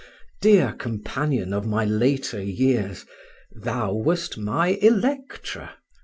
dear companion of my later years, thou wast my Electra!